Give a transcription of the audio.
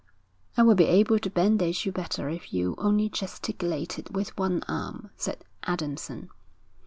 'I would be able to bandage you better if you only gesticulated with one arm,' said Adamson.